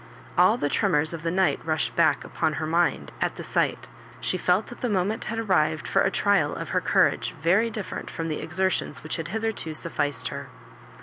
All the tremors of the night rushed back upon her mind at the Bight. She felt that the moment had arrived for a trial of her courage very different from the exertions which had hitherto sufficed her.